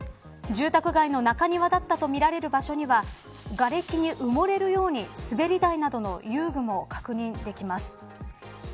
住宅街の中庭だったとみられる場所にはがれきに埋もれるようにすべり台などの遊具も確認できます。